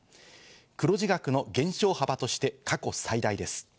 黒字額の減少幅として過去最大です。